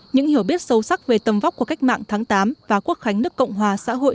những hiểu biết sâu sắc về tầm vóc của cách mạng tháng tám và quốc khánh nước cộng hòa xã hội